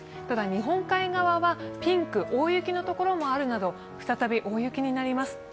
ただ日本海側はピンク、大雪の所もあるなど再び大雪になります。